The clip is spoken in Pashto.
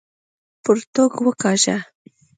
پرتوګ وکاږه!